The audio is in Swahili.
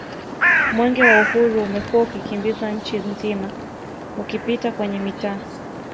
Mwenge wa Uhuru umekuwa ukikimbizwa Nchi nzima ukipita kwenye mitaa